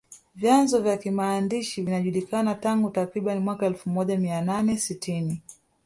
vyanzo vya kimaandishi vinajulikana tangu takriban mwaka elfu moja mia nane sitini